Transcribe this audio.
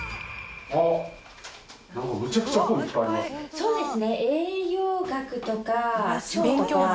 そうですね。